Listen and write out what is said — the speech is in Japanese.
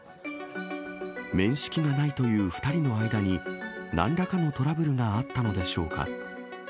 面識がないという２人の間に、なんらかのトラブルがあったのでしょうか。